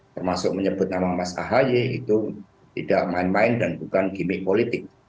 termasuk menyebut nama mas ahy itu tidak main main dan bukan gimmick politik